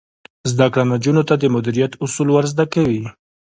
زده کړه نجونو ته د مدیریت اصول ور زده کوي.